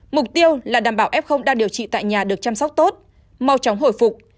mục tiêu là đảm bảo f đang điều trị tại nhà được chăm sóc tốt mau chóng hồi phục